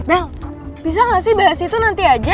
bel bisa gak sih bahas itu nanti aja